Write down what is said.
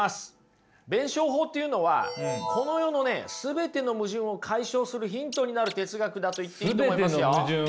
弁証法というのはこの世の全ての矛盾を解消するヒントになる哲学だと言っていいと思いますよ。